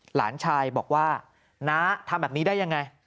หลานชายบอกว่าน้าทำแบบนี้ได้ยังไง